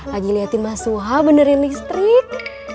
lagi liatin mas suha benerin listrik